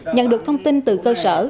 nhận được thông tin từ cơ sở